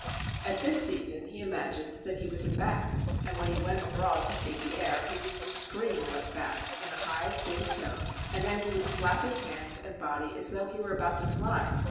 At this season he imagined that he was a bat, and when he went abroad to take the air he used to scream like bats in a high thin tone; and then he would flap his hands and body as though he were about to fly.